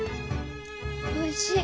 おいしい。